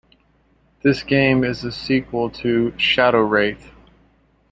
This game is a sequel to "ShadowWraith".